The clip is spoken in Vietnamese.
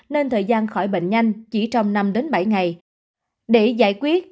nên thời gian khỏi bệnh nhanh chỉ trong năm bảy ngày